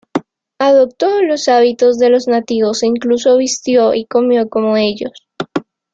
Adoptó los hábitos de los nativos e incluso vistió y comió como ellos.